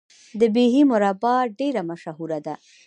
د بیحي مربا ډیره مشهوره ده.